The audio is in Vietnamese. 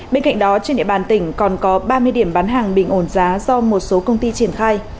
bên cạnh đó trên địa bàn tỉnh còn có ba mươi điểm bán hàng bình ổn giá do một số công ty triển khai